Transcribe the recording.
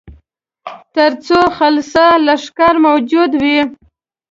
تر څو خلصه لښکر موجود وي.